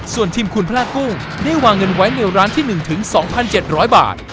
ส่วนทีมคุณพระกุ้งได้วางเงินไว้ในร้านที่หนึ่งถึงสองพันเจ็ดร้อยบาท